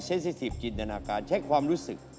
เซ็นสิสิทธิ์จินตนาการเช็คความรู้สึก